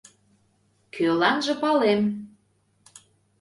— Кӧланже палем.